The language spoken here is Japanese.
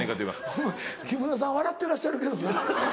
お前木村さん笑ってらっしゃるけどな。